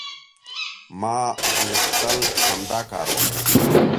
ما غوښتل همدا کار وکړم".